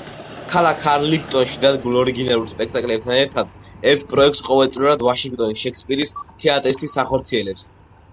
ქალაქ არლინგტონში დადგმულ ორიგინალურ სპექტაკლებთან ერთად, ერთ პროექტს ყოველწლიურად ვაშინგტონის შექსპირის თეატრისთვის ახორციელებს.